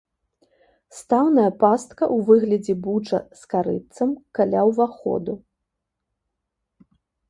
Стаўная пастка ў выглядзе буча з карытцам каля ўваходу.